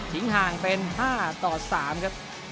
ห่างเป็น๕ต่อ๓ครับ